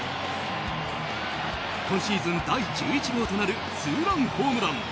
今シーズン第１１号となるツーランホームラン。